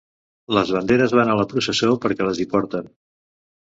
Les banderes van a la processó perquè les hi porten.